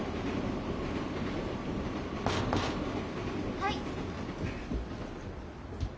・はい。